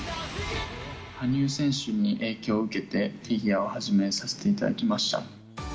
羽生選手に影響を受けて、フィギュアを始めさせていただきました。